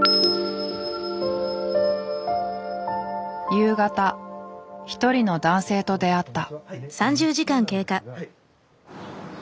夕方一人の男性と出会った。